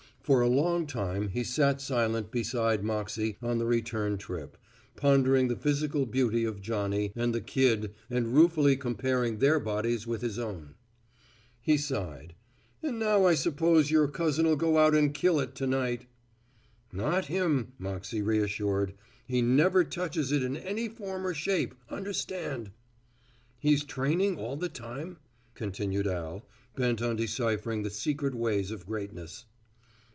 For a long time he sat silent beside Moxey on the return trip, pondering the physical beauty of Johnny and the Kid and ruefully comparing their bodies with his own. He sighed, "And now I s'pose your cousin'll go out and kill it to night!" "Not him," Moxey reassured; "he never touches it in any form or shape, understand." "He's training all the time?" continued Al, bent on deciphering the secret ways of greatness.